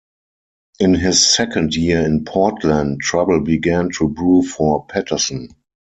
In his second year in Portland, trouble began to brew for Patterson.